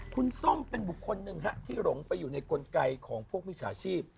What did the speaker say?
คุณส้มเป็นบุคคลหนึ่งฮะที่หลงไปอยู่ในกลไกของพวกมิจฉาชีพ